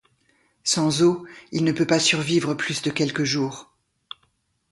Sans eau, il ne peut pas survivre plus de quelques jours.